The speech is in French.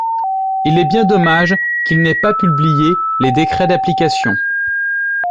Il est bien dommage qu’ils n’aient pas publié les décrets d’application.